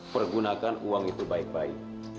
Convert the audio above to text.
pergunakan uang itu baik baik